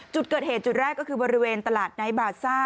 จุดเกิดเหตุจุดแรกก็คือบริเวณตลาดไนท์บาซ่า